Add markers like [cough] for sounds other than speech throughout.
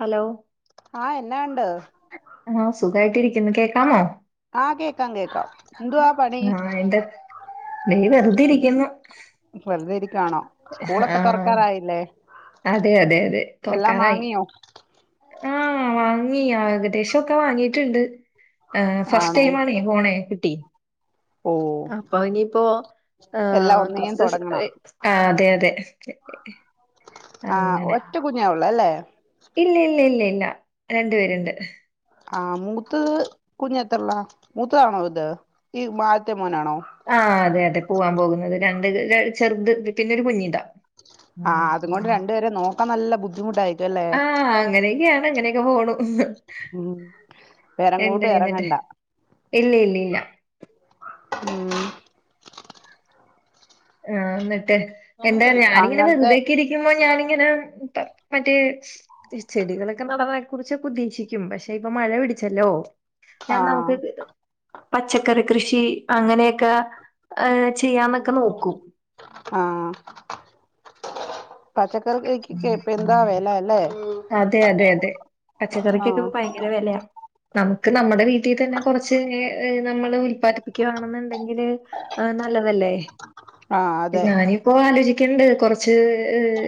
Hello! ആഹ്, എന്നാ ഉണ്ട്? ആഹ്, സുഖായിട്ട് ഇരിക്കുന്നു കേക്കാമോ? ആഹ്, കേക്കാം കേക്കാം. എന്തുവാ പണി? [unintelligible] വെറുതെ ഇരിക്കുന്നു വെറുതെ ഇരിക്കാണോ? സ്കൂളൊക്കെ ആഹ്, തുറക്കാറായില്ലേ അതെ അതെ അതെ എല്ലാം തൊറക്കാറായി. വാങ്ങിയോ ആഹ് വാങ്ങി, ഏകദേശോക്കെ വാങ്ങിട്ടുണ്ട്. ആഹ്, ആണോ ഫസ്റ്റ്ടൈം ആണേ പോണേ, കുട്ടി ഓ അപ്പൊ ഇനിപ്പോ എല്ലാം ഏഹ് ഒന്നേം കൊർച്സം തുടങ്ങണം [unintelligible] ആഹ് അതെ അതെ ആഹ്, അങ്ങനെ ഒറ്റകുഞ്ഞാ ഉള്ളേ. അല്ലേ ഇല്ല ഇല്ല ഇല്ല ഇല്ല രണ്ട് പേരുണ്ട്. ആഹ്, മൂത്തത് കുഞ്ഞ് എതൃള്ളാ? മൂത്തതാണോ ഇത് ഈ മാഴത്തെ മോനാണോ? ആഹ്, അതെ അതെ പൂവാൻ പോകുന്നത് രണ്ട് ചെർ ര ചെർത് പി പിന്നൊ ഒരു കുഞ്ഞിതാ ആഹ് അതും കൊണ്ട് രണ്ടുപേരെ നോക്കാൻ നല്ല ബുദ്ധിമുട്ടായിരിക്കും അല്ലേ ആഹ്, അങ്ങനൊക്കെയാണ് അങ്ങനൊയെക്കെ പോണു. ഉം വേറെങ്ങോട്ടും എന്തായി ന്നിട്ട്, ഇറങ്ങണ്ട ഇല്ല ഇല്ല ഇല്ല [inaudible] ഉം ആഹ് ന്നിട്ട് എന്താ ഞാനിങ്ങനെ അങ്ങനത്തെ വെറ്തേക്കിരി യ്യുമ്പോ ഞാനിങ്ങനെ ഇപ്പ മറ്റേ സ്- ത്തിരി ചെടികളൊക്കെ നടനെ കുറിച്ചൊക്കെ ഉദ്ദേശിക്ക്യും. പക്ഷെ ഇപ്പൊ മഴ പിടിച്ചല്ലോ. ഞാൻ ആഹ് നമുക്ക് പച്ചക്കറി കൃഷി അങ്ങനേക്കെ ആഹ് പച്ചക്കറിക്കെ [inaudible] അതെ അതെ അതെ പച്ചക്കറിക്കൊക്കെ ആഹ് ഇപ്പ ഭയങ്കര വെലയാ നമുക്ക് നമ്മടെ വീട്ടിതന്നെ കൊറച്ച് [unintelligible] നമ്മള് ഉല്പാദിപ്പിക്യാണെന്നുണ്ടെങ്കില് ആഹ്‌ നല്ലതല്ലേ. ആഹ് അതെ ഞാനിപ്പോ ആലോചിക്ക്ണ്ട്, കൊറച്ച്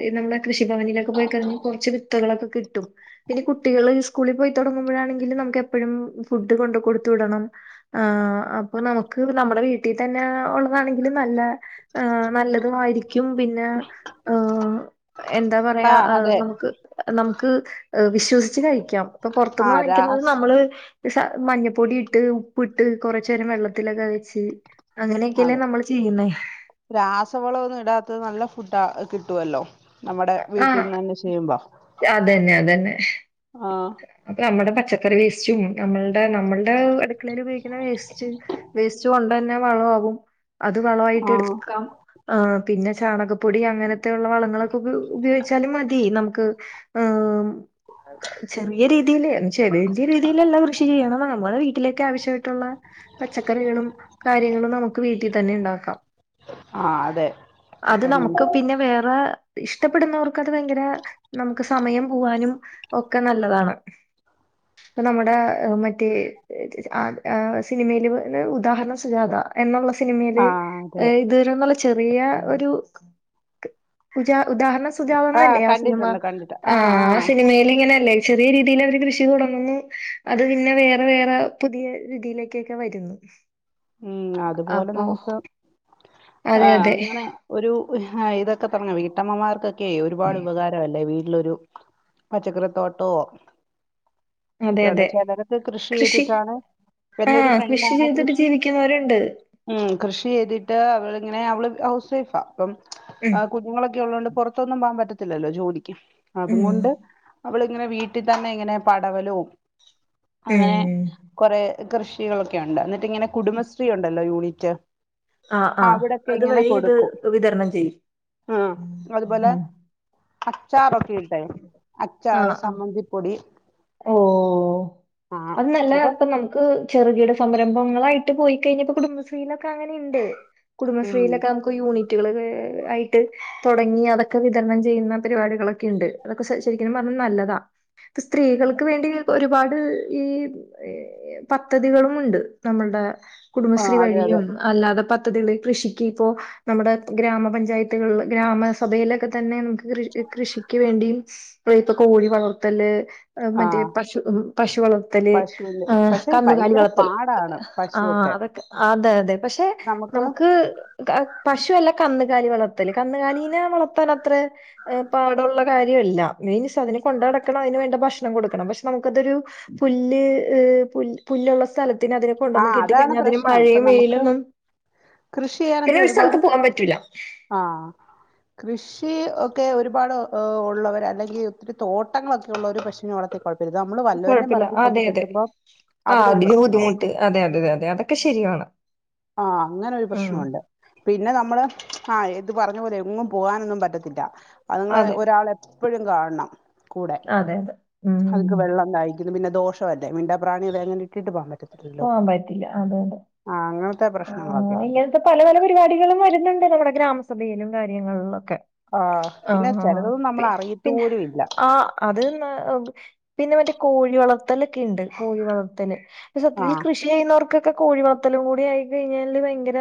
ഈ നമ്മളെ കൃഷിഭവനിലൊക്കെ പോയി കഴിഞ്ഞ് കൊറച്ച് വിത്തുകളൊക്കെ കിട്ടും. പിന്നെ കുട്ടികള് സ്കൂളിൽ പോയി തോടങ്ങുമ്പോഴാണങ്കില് നമുക്ക് എപ്പഴും ഫുഡ് കൊണ്ട് കൊട്ത്ത് വിടണം ആഹ് അപ്പൊ നമുക്ക് നമ്മടെ വീട്ടിതന്നെ ഉള്ളതാണെങ്കിലും നല്ല ആഹ് നല്ലതുവായിക്ക്യും. പിന്നെ ഏഹ് എന്താ പറയാ ആഹ് ഏഹ് അതെ നമുക്ക് നമുക്ക് വിശ്വസിച്ച് കഴിക്ക്യാം. ഇപ്പൊ പൊർത്ത്ന്ന് ആഹ് വാങ്ങിക്കുന്നത് രാസ് നമ്മള് ര്‌സ മഞ്ഞപ്പൊടിട്ട് ഉപ്പിട്ട് കൊറച്ചേരം വെള്ളത്തിലൊക്കെ വെച്ച് അങ്ങനെയൊക്കെയല്ലേ നമ്മള് ചെയ്യുന്നേ രാസവളോന്നും ഇടാത്തത് നല്ല ഫുഡ് ആ കിട്ടുവല്ലോ നമ്മടെ ആഹ് വീട്ടിന്നന്നെ ചെയ്യുമ്പോ. അതന്നെ അതന്നെ ആഹ് അപ്പൊ നമ്മടെ പച്ചക്കറി വേസ്റ്റും നമ്മളുടെ നമ്മളുടെ അടുക്കളേല് ഉപയോഗിക്കുന്ന വേസ്റ്റ് വേസ്റ്റ് കൊണ്ടന്നെ വളാകും. അത് വളമായിട്ട് ആഹ് എടുക്കാം ആഹ്, പിന്നെ ചാണകപ്പൊടി അങ്ങനത്തെ ഉള്ള വളങ്ങളൊക്കെ ഉപ ഉപയോഗിച്ചാലും മതി നമുക്ക് ആഹ് [unintelligible] ചെറിയ രീതില് ചെറിയ രീതില്ള്ള കൃഷി ചെയ്യണം നമ്മളെ വീട്ടിലൊക്കെ ആവശ്യയിട്ടുള്ള പച്ചക്കറികളും കാര്യങ്ങളും നമുക്ക് വീട്ടി തന്നെ ഉണ്ടാക്കാം. ആഹ് അതെ അത് ഇപ്പം നമുക്ക് പിന്നെ വേറെ ഇഷ്ടപ്പെടുന്നവർക്ക് അത് ഭയങ്കര നമുക്ക് സമയം പോവാനും ഒക്കെ നല്ലതാണ്. [inaudible] പ്പം നമ്മടെ ഏഹ്‌ മറ്റേ ആ ഏഹ് സിനിമയില് ന്നെ ഉദാഹരണം സുജാത എന്നുള്ള സിനിമേല് ആഹ് അതെ ഇത് നിന്നുള്ള ചെറിയ ഒരു ഉജാ ഉദാഹരണംസ് [unintelligible] ആഹ് സിനിമ ആഹ് സിനിമേല് ലേ ചെറ്യേരീതില് അവര് കൃഷെയ്ത് തൊടങ്ങുന്നു അത് പിന്നെ വേറ വേറ പുതിയ രീതിയിലേക്കൊക്കെ വരും [inaudible] ഉം അത്പോല നമുക്ക് അതെ ആഹ് അതെ അങ്ങനെ ഒരു ഹായ് ഇതൊക്കെ തുടങ്ങ വീട്ടമ്മമാർക്കൊക്കെ ഒര്പാട് ഉപകാര താല്ലേ വീട്ടിലൊരു പച്ചക്കറിത്തോട്ടോ അതെ ഒക്കെള്ള അതെ ചെലരൊക്കെ കൃഷി ചെയ്തിട്ടാണ് എൻ്റൊരു ആഹ് ഫ്രണ്ടാണ് ചെയ്തിട്ട് കൃഷി ജീവിക്കുന്നവരുണ്ട് ഉം കൃഷി ചെയ്തിട്ട് അവളിങ്ങനെ അവള് ഹൗസ് വൈഫാ അപ്പം ഉം കുഞ്ഞുങ്ങളൊക്കെ ഉള്ളതൊണ്ട് പൊറത്തൊന്നും പോകൻ പറ്റത്തില്ലല്ലോ ജോലിക്ക് അതും ഉം കൊണ്ട് അവളിങ്ങനെ വീട്ടിൽ തന്നെ ഇങ്ങനെ പടവലും അങ്ങനെ ഉം കുറെ കൃഷികളൊക്കെ ഉണ്ട് എന്നിട്ട് ഇങ്ങനെ കുടുംബശ്രീ ഉണ്ടല്ലോ യൂണിറ്റ് ആഹ് ആഹ് അവിടക്കെ അത് ഇങ്ങനെ വഴി ഇത് കൊടുക്കും വിതരണം ചെയ്യും ആഹ് അതുപോലെ ഉം അച്ചാറൊക്കെ കേട്ട ആഹ് അച്ചാറോ ആഹ് ചമ്മന്തിപ്പൊടി ഓ അല്ല അത്ര നമുക്ക് ചെറുകിട സംരംഭങ്ങളായിട്ട് പോയി കഴിഞ്ഞപ്പോ കുടുംബശ്രീയിലൊക്കെ അങ്ങനെയുണ്ട് ഉം കുടുംബശ്രീയിലൊക്കെ നമുക്ക് യൂണിറ്റുകൾ ആയിട്ട് തുടങ്ങി അതൊക്കെ വിതരണം ചെയ്യുന്ന പരിപാടികളൊക്കെ ഉണ്ട് അതൊക്കെ ശരിക്കും പറഞ്ഞ നല്ലതാ സ്ത്രീകൾക്ക് വേണ്ടി ഒരുപാട് ഈ പദ്ധതികളുമുണ്ട് നമ്മളുടെ ആഹ് കുടുംബശ്രീ അതെ അതെ വഴിയും അല്ലാതെ പ [unintelligible] കൃഷിക്ക് ഇപ്പോ നമ്മുടെ ഗ്രാമപഞ്ചായത്തുകളിൽ ഗ്രാമസഭയിലൊക്കെ തന്നെ കൃ കൃഷിക്ക് വേണ്ടിയും [unintelligible] കോഴി വളർത്തല് മറ്റേ ആഹ് പശു പശു വളർത്തല് പശുവിന്റെ പക്ഷെ കന്നുകാലി ഭയങ്കര വളർത്തല് പാടാണ് ആഹ് പശുവൊക്കെ അതൊക്കെ അതെ അതെ പക്ഷെ നമുക്ക് പശുല്ല കന്നുകാലി വളർത്തല് കന്നുകാലിനെ വളർത്താനത്ര പാടുള്ള കാര്യമല്ല മീൻസ് അതിനെ കൊണ്ട നടക്കണം അതിന് വേണ്ട ഭക്ഷണം ള്ളം കൊടുക്കണം പക്ഷേ നമ്മുക്കതൊരു പുല്ല് പുൽ പുല്ലുള്ള സ്ഥല ന് അതിനെ കൊണ്ടുവ വന്ന് ആഹ് കിട്ടി അതാണ് കഴിഞ്ഞാ അതിന് പ്രശ്നം ഇപ്പൊ മഴയും നമുക്ക് വെയിലൊന്നും കൃഷി ചെയ്യാനൊക്കെ പിന്നെ ഒരു ഒരുപാട് സ്ഥലത്ത് പോവാൻ പറ്റൂല ആഹ് കൃഷി ഒക്കെ ഒരുപാട് ഉള്ളവർ അല്ലെങ്കിൽ ഒത്തിരി തോട്ടങ്ങളൊക്കെ ഉള്ളവർ പശുനോഓളത്തിൽ കുഴപ്പില്ല [unintelligible] നമ്മള് വല്ലവൻ്റെ കുഴപ്പമില്ല പറമ്പിക്കൊണ്ട് അതെ അതെ കെട്ടുമ്പോ ആ അവിടെ ഒരു അതിന് പ്രശ്നമാവും ബുദ്ധിമുട്ട് അതെ അതെതെ അതെ അതൊക്കെ ശരിയാണ് ആഹ് അങ്ങനെ ഒരു ഉം പ്രശ്നമുണ്ട് പിന്നെ നമ്മള് ആഹ് എത് പറഞ്ഞ പോലെ എങ്ങും പോകാനൊന്നും പറ്റത്തില്ല അത്ങ്ങളെ അതെ ഒരാളെ എപ്പോഴും കാണണം കൂടെ അതെ അതെ ഉം അതക്ക് വെള്ളം തായി പിന്നെ ദോഷമല്ലേ മിണ്ടാ പ്രാണികള അങ്ങനെ ഇട്ടിട്ട് പോവാൻ പറ്റത്തില്ല പോകാൻ പറ്റത്തില്ല അതെ അതെ ആഹ് അങ്ങനത്തെ പ്രശ്നങ്ങളൊക്കെ ഉണ്ട് പല പല പരിപാടികളും വരുന്നുണ്ട് നമ്മുടെ ഗ്രാമസഭയിലും കാര്യങ്ങളിലൊക്കെ ആഹ് പിന്നെ ആഹ് ആഹ് ചിലതൊന്നും നമ്മൾ പിന്നെ അറിയത്തുപോലും ഇല്ല ആഹ് അത് പിന്നെ മറ്റേ കോഴി വളർത്തലൊക്കെ ഉണ്ട് കോഴി വളർത്തല് സത്യത്തിൽ ആഹ് കൃഷി ചെയ്യുന്നവർക്കൊക്കെ കോഴി വളർത്തലും കൂടി ആയി കഴിഞ്ഞാല് ഭയങ്കര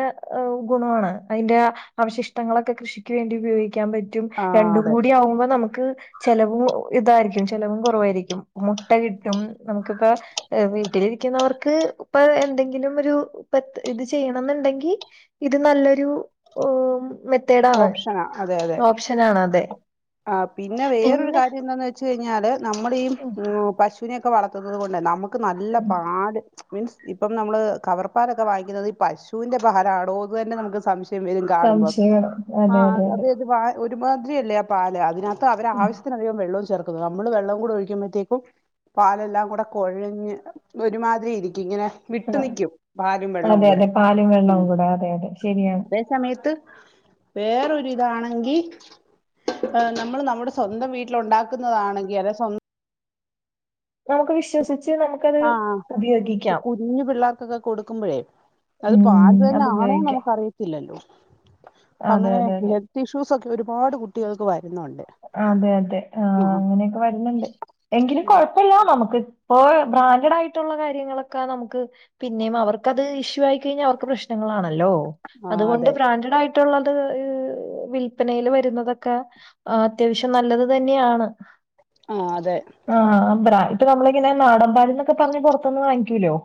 ഗുണമാണ് അതിൻ്റെ അവശിഷ്ടങ്ങളൊക്കെ കൃഷിക്ക് വേണ്ടി ഉപയോഗിക്കാൻ പറ്റും റ്റും ആഹ് രണ്ടും അതെ കൂടി ആകുമ്പോ നമുക്ക് ചിലവും ഇതായിരിക്കും ചിലവും കുറവായിരിക്കും മുട്ട കിട്ടും നമുക്കിപ്പ വീട്ടിലിരിക്കുന്നവർക്ക് ഇപ്പ എന്തെങ്കിലും ഒരു ഇത് ചെയ്യണം എന്നുണ്ടെങ്കിൽ ഇത് നല്ലൊരു മെത്തേഡാണ് ഓപ്ഷനാ അതെ അതെ ഓപ്ഷൻ ആണ്, അതെ. ആ പിന്നെ വേറൊരു പിന്നെ കാര്യം എന്താന്ന് വെച്ച് കഴിഞ്ഞാല് നമ്മൾ ഈ ഉം, പ ഇതിനെ ഒകെ വളർത്തുന്നത് കൊണ്ട് നമുക്ക് നല്ല പാട് മീൻസ് ഇപ്പം നമ്മള് കവർപ്പാലൊക്കെ വാങ്ങിക്കുന്നത് ഈ പശുവിന്റെ പാൽ ആണോ അത് എന്ന് തന്നെ നമുക്ക് സംശയം ും കാണുമ്പോ സംശയമാണ് അതെ അതെ അതെ ഒരുമാതിരിയല്ലേ ആ പാല്, അതിനകത്ത് അവ ഉം. ആവശ്യത്തിനധികം വെള്ളവും ചേർക്കുന്നു നമ്മള് വെള്ളം കൂടെ ഒഴിക്കുമ്പോഴത്തേക്കും പാലെല്ലാം കൂടെ കുഴഞ്ഞു ഒരുമാതിരി ഇരിക്കും ഇങ്ങനെ ആ, വിട്ട് നിക്കും പാലും വെള്ളവും അതെ കൂടെ അതെ പാലും വെള്ളവും കൂടെ അതെ അതെ ശരിയാണ് ഉ സമയത്ത് വേറൊരി ഇതാണെങ്കിൽ ് നമ്മൾ നമ്മുടെ സ്വന്തം വീട്ടിൽ ഉണ്ടാക്കുന്നതാണെങ്കിൽ, അല്ല സ്വന്തം നമുക്ക് വിശ്വസിച്ച് നു ആഹ ഈ കുഞ്ഞി പിള്ളേർക്ക് ഒക്കെ കൊടുക്കുമ്പോഴേ അത് പാല് ഉം തന്നെ അത് ആണോന്ന് ഉപയോഗിക്കാം നമുക്ക്റിയ ല്ലല്ലോ അപ്പ അതെ അങ്ങനെ അതെ അതെ ഇഷ്യൂസ് ഒക്കെ ഒരുപാട് കുട്ടികൾക്ക് വരുന്നുണ്ട്. അതെ അതെ ആ, അങ്ങനെയൊക്കെ വരുന്നുണ്ട് എങ്കിലും കൊഴപ്പില്ല നമുക്ക് ഇപ്പൊ ബ്രാൻഡഡ് ആയിട്ടുള്ള കാര്യങ്ങളൊക്കെ നമുക്ക് പിന്നെയും അവർക്കത് ഇഷ്യൂ ആയി കഴിഞ്ഞാൽ, അവർക്ക് പ്രശ്നം ആണല്ലോ, ആഹ് അതുകൊണ്ട് അതെ ബ്രാൻഡഡ് ആയിട്ടുള്ളത് വിൽപനയിൽ വരുന്നത്. അതൊക്കെ അത്യാവശ്യം നല്ലത് തന്നെയാണ്. ആ അതെ. ആഹ് ബ്രാൻഡ് നമ്മൾ നമ്മളിങ്ങനെ നാടൻ പാൽ എന്നൊക്കെ പറഞ്ഞ് പുറത്തന്ന് വാങ്ങിക്കൂല്ലോ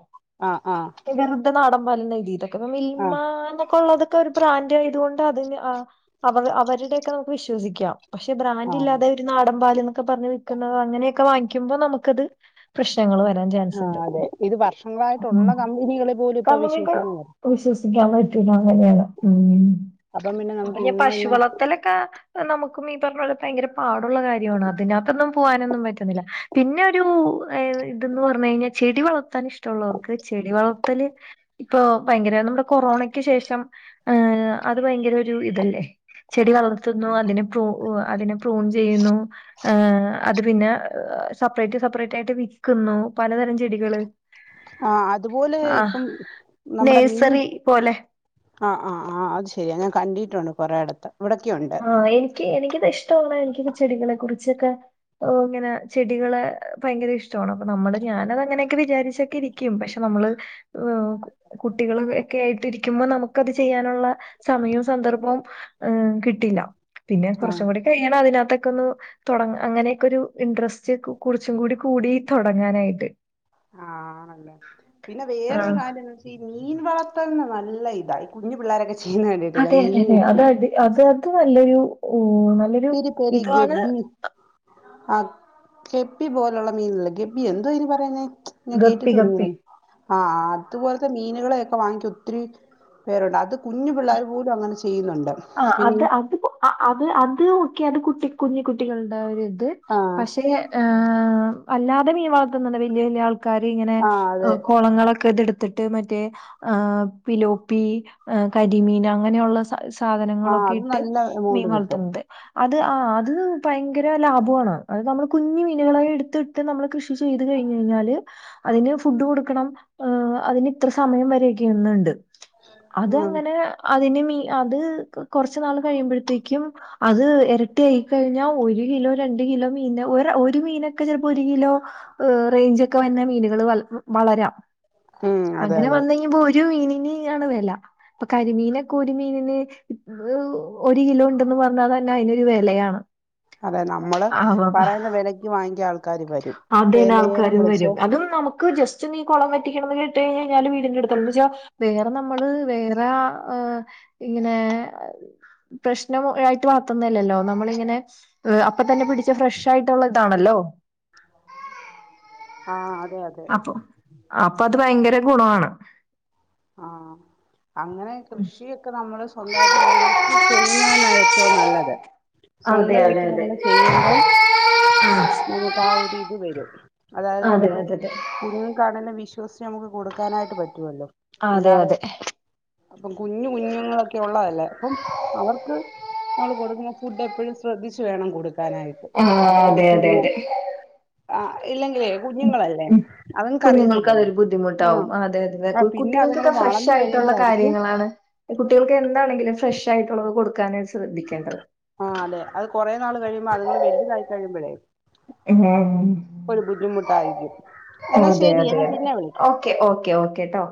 ആ ആ... വെറുതെ നാടൻ പാൽ ന്ന് എഴുതിയതൊക്കെ, മിൽമ ആഹ് എന്നൊക്കെ ഉള്ളതൊക്കെ ഒരു ബ്രാൻഡ് ആയതുകൊണ്ട് അതി അവരുടെയൊക്കെ നമുക്ക് വിശ്വസിക്കാം പക്ഷെ ബ്രാൻഡ് ആഹ് ഇല്ല പാലെന്നൊക്കെ പറഞ്ഞഞ് വിൽക്കുന്നോ അങ്ങനെയൊക്കെ വാങ്ങിക്കുമ്പോ നമുക്കത് പ്രശ്നങ്ങൾ വരാൻ ആഹ് ചാൻസ്ുണ്ട്, അതെ ഇത് വർഷങ്ങളായിട്ടുള്ള കമ്പനികളെ പോലും ക ഇപ്പൊ വിശ്വസിക്കുന്നില്ല വിശ്വസിക്കാൻ പറ്റൂല അങ്ങനെയാണ്, അപ്പം പിന്നെ നമുക്ക് മറ്റേ ഇന്നോ പശു ഇന്ന് വളത്തലൊക്കെ നമുക്കും ഈ പറഞ്ഞ ഭയങ്കര പാടുള്ള കാര്യമാണ്. അതിനകത്തൊന്നും പോകാനൊന്നും പറ്റുന്നില്ല, പിന്നെ ഒരു ഏ ഇതന്ന് പറഞ്ഞു കഴിഞ്ഞാൽ ചെടി വളർത്താൻ ഇഷ്ടമുള്ളവർക്ക് ചെടി വളർത്തല് ഇപ്പൊ ഭയങ്കര നമ്മുടെ കൊറോണയ്ക്ക് ശേഷം ഏഹ അത് ഭയങ്കര ഒരു ഇതല്ലേ ചെടി വളർത്തുന്നു അതിനെ പ്രൂ, അതിനെ പ്രൂൺ ചെയ്യുന്നു. അത് പിന്നെ സെപ്പറേറ്റ് സെപ്പറേറ്റ് ആയിട്ട് വിൽക്കുന്നു പലതരം ചെടികള് ആ അതുപോലെ ആഹ് ഇപ്പം നമ്മുടെ മീൻ നേഴ്സറി പോലെ ആ ആ ആ അത് ശെരി ഞാൻ കണ്ടിട്ടുണ്ട് കൊറെേയിടത്ത്. ആഹ എനിക്ക് എനിക്കിത് ഇഷ്ടുള്ള എനിക്കിത് ചെടികളെ കുറിച്ചൊക്കെ ഓ അങ്ങനെ ചെടികള് ഭയങ്കര ഇഷ്ടമാണ്, അപ്പൊ നമ്മള് ഞാനത് അങ്ങനെയൊക്കെ വിചാരിച്ചൊക്കെ ഇരിക്കും. ും പക്ഷെ നമ്മള് കുട്ടികൾ ഒക്കെ ആയിട്ടി ഇരിക്കുമ്പോൾ നമുക്ക്ത് ചെയ്യാനുള്ള സമയവും സന്ദർഭവും കി പിന്നെ ആഹ് കുറച്ച് കൂടി കഴിയണം, അതിനകത്തൊക്കെ ഒന്ന് അങ്ങനെയൊക്കെ ഇൻട്രസ്റ്റ് കുറച്ചും കൂടി കൂടി തുടങ്ങാനായിട്ട്. ആണല്ലേ പിന്നെ ആ, വേറൊരു കാര്യം ഈ മീൻ വളർത്ത നല്ല ഇതായി കുഞ്ഞു പിള്ളോരൊക്കെ ചെയ്യുന്ന കണ്ടിട്ടില്ലേ അതെതെ മീൻ അതെ അത് അത് അത് നല്ലൊരു നല്ല പിരി പേരി ഗബി ആഹ കെബി പോലുള്ള മീനല്ലേ, ഗെബി എന്തോ ഇനി പറയുന്ന ഞാൻ ഗപ്പി ഗപ്പി കേട്ടിട്ടുണ്ടനെ ആഹ അതുപോലത്തെ മീനുകളെയൊക്കെ വാങ്ങിക്ക ഒത്തിരി പേരുണ്ട് അത് കുഞ്ഞു പിള്ളേർ പോലും അങ്ങനെ ചെയ്യുന്നുണ്ട്. ആ പിന്നെ അത് ഈ അത് അത് അത് ഒക്കെ അത് കുട്ടി കുഞ്ഞി കുട്ടികളുടെ ഒരു ഇത്, ആ പക്ഷെ ് അല്ലാതെ ഈ വളർത്തണ വലിയ വലിയ ആൾ ക്ക ഇങ്ങനെ് ആ അതെ കുളങ്ങളൊക്കെ ഇതെടുത്തിട്ട് മറ്റേ ഏഹ് പിലോപ്പി കരിമീൻ അങ്ങനെ ഒള്ള ആ സാധനങ്ങളൊക്കെ അത് ഇട്ട് നല്ല എമൗണ്ട് മീൻ കിട്ടും വളർത്ത്ണത് അത് ആഹ്‌ അത് ഭയങ്കര ലാഭമാണ് അത് നമ്മള് കുഞ്ഞ് മീനുകളെ എടുത്ത് ഇ നമ്മള് കൃഷി ചെയ്ത് കഴിഞ്ഞ് കഴിഞ്ഞാല് അതിന് ഫുഡ് കൊടുക്കണം ഏഹ് അതിന് ഇത്ര സമയം വരെയൊക്കെന്നുണ്ട് അത് ഉം അങ്ങനെ അതിന് മീ അത് കൊറച്ചു നാൾ കഴിയുമ്പോഴത്തേക്കും അത് ഇരട്ടി ആയി കഴിഞ്ഞാ ഒരു കിലോ രണ്ട് കിലോ മീനെ ഒരു മീനൊക്കെ ചിലപ്പോ ഒരു കിലോ റേഞ്ച് ഒക്കെ വന്നെ മീനുകൾ വളരാം ഉം അതെ അങ്ങനെ അതെ വന്ന് കഴിയുമ്പൊ ഒരു മീനിന് ആണ് വില ഇപ്പൊ കരിമീനൊക്കെ ഒരു മീനിന് ഒരു കിലോ ഉണ്ടെന്ന് പറഞ്ഞാ തന്നെ അയിനൊരു വിലയാണ് അതെ നമ്മള് പറയുന്ന വിലക്ക് വാങ്ങിക്കാൻ ആൾക്ക അതെന്നെ ആൾക്കാരും വരും അതും നമുക്ക് ജസ്റ്റ് ഒന്നി കുളം വറ്റിക്കണംന്ന് കേട്ട് കഴിഞ്ഞാൽ വീടിന്റെ അടുത്ത്ണ്ട് എന്ന് വെച്ച വേറെ നമ്മള് വേറെ ഇങ്ങനെ പ്രശ്നം ആയിട്ട് വളർത്ത്ന്നല്ലല്ലോ നമ്മളിങ്ങനെ അപ്പ തന്നെ പിടിച്ച ഫ്രഷ് ആയിട്ടുള്ള ഇതാണല്ലോ ആഹ അതെ അതെ അപ്പൊ അപ്പൊ അത് ഭയങ്കര ഗുണമാണ് ആഹ അങ്ങനെ കൃഷിയൊക്കെ നമ്മള് സ്വന്തായിട്ട് വീഡിയോസ് ചെയ്യുന്നത് തന്നാ ഏറ്റവും നല്ലത് അതെ സ്വന്തം അതെ വീട്ടിൽ അതെ നമ്മള് ചെയ്യുമ്പം ആഹ്‌ നമുക്ക് ആ ഒരു ഇത് വരും അതായത് അതെ നമുക്ക് അതെ അതെ കുഞ്ഞുങ്ങൾക്കാണേലും വിശ്വസിച്ച് നമുക്ക് കൊടുക്കാനായിട്ട് പറ്റുവല്ലോ അതെ ഇല്ലാതെ അതെ ഇപ്പം കുഞ്ഞു കുഞ്ഞുങ്ങളൊക്കെ ഉള്ളതല്ലേ അപ്പം അവർക്ക് നമ്മള് കൊടുക്കുമ്പൊ ഫുഡ് എപ്പഴും ശ്രദ്ധിച്ച് വേണം കൊടുക്കാനായിട്ട് ആഹ് അതെ അതെ പിന്നെ അതെ ആഹ്‌ ഇല്ലെങ്കിലേ കുഞ്ഞുങ്ങളല്ലേ ഉം കുഞ്ഞുങ്ങൾക്ക് അതുങ്ങക്കറിയത്തില്ലല്ലോ അതൊരു ഉം ബുദ്ധിമുട്ടാവും അതെ അതെ ആ പിന്നെ അതുങ്ങള് കുട്ടികൾക്കൊക്കെ ഫ്രഷ് വളർന്ന് ആയിട്ടുള്ള കഴിയുമ്പോഴായിരിക്കും കാര്യങ്ങളാണ് കുട്ടികൾക്ക് എന്താണെങ്കിലും ഫ്രഷ് ആയിട്ടുള്ളത് കൊടുക്കാനായിട്ട് ശ്രദ്ധിക്കേണ്ടത് ആഹ അതെ അത് കുറേ നാൾ കഴിയുമ്പോ അത്ങ്ങങ്ങള് വലുതായി കഴിയുമ്പോഴേ ഉം ഒരു ബുദ്ധിമുട്ടായിരിക്കും എന്നാ അതെ ശരിയെ അതെ ഞാൻ അതെ പിന്നെ വിളിക്കാം ഓക്കെ ഓക്കെ ട്ടോ